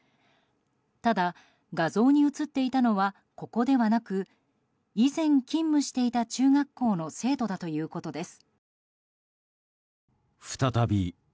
ただ、画像に写っていたのはここではなく以前勤務していた中学校の生徒だということです。